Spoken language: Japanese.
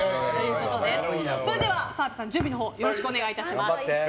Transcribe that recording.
それでは澤部さん準備のほうよろしくお願いします。